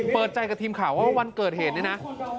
เปิดใจกับทีมข่าวว่าวันเกิดเหตุเนี่ยนะ